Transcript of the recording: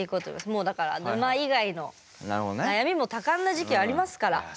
もう、だから沼以外の悩みも多感な時期ありますから。